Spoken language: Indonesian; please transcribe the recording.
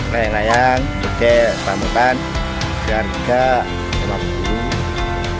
layang layang beda rambutan harga rp empat puluh